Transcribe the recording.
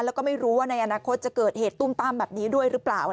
แล้วก็ไม่รู้ว่าในอนาคตจะเกิดเหตุตุ้มตั้มแบบนี้ด้วยหรือเปล่า